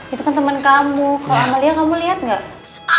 itu kan temen kamu kok amalia kamu lihat gak